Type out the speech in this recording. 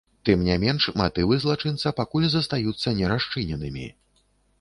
Тым не менш, матывы злачынца пакуль застаюцца не расчыненымі.